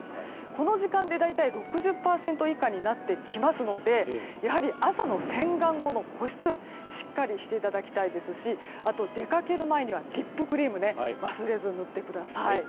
この時間で大体６０％以下になってきますのでやはり、朝の洗顔後の保湿をしっかりしていただきたいですしあと出かける前にはリップクリーム忘れずに塗ってください。